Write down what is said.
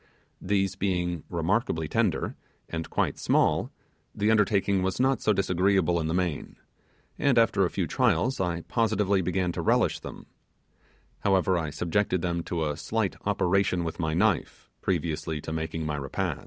These being remarkably tender, and quite small, the undertaking was not so disagreeable in the main, and after a few trials I positively began to relish them; however, I subjected them to a slight operation with a knife previously to making my repast.